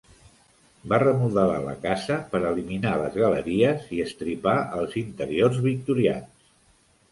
Va remodelar la casa per eliminar les galeries i estripar els interiors victorians.